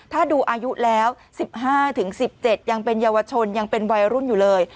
ถ้าดูอายุแล้ว๑๕๑๗ยังเป็นเยาวชนยังเป็นวัยรุ่นอยู่เลย